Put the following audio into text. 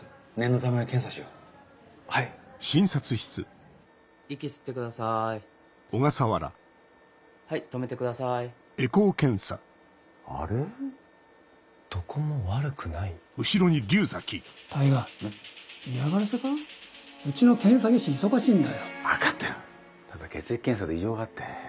ただ血液検査で異常があって。